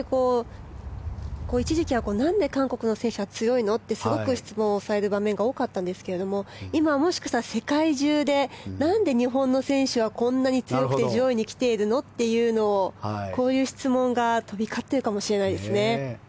一時期は、なんで韓国の選手は強いの？ってすごく質問される場面が多かったんですが今はもしかしたら世界中でなんで日本の選手はこんなに強くて上位に来ているの？というこういう質問が飛び交っているかもしれないですね。